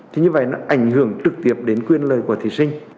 thì như vậy nó ảnh hưởng trực tiếp đến quyền lời của thí sinh